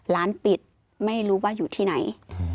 ร้านปิดไม่รู้ว่าอยู่ที่ไหน